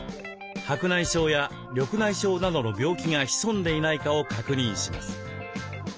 白内障や緑内障などの病気が潜んでいないかを確認します。